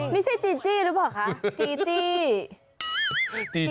นี่ใช่จีจี้หรือเปล่าคะจีจี้